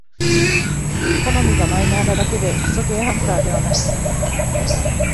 好みがマイナーなだけでクソゲーハンターではない